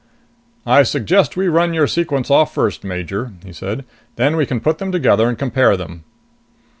"I suggest we run your sequence off first, Major," he said. "Then we can put them on together, and compare them."